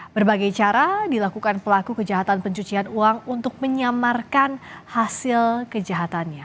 berbagai cara dilakukan pelaku kejahatan pencucian uang untuk menyamarkan hasil kejahatannya